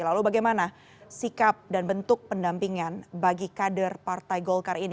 lalu bagaimana sikap dan bentuk pendampingan bagi kader partai golkar ini